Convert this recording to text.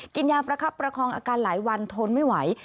กินยาประคับประคองอาการหลายวันทนไม่ไหว